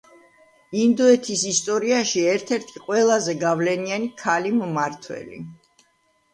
ინდოეთის ისტორიაში ერთ-ერთი ყველაზე გავლენიანი ქალი მმართველი.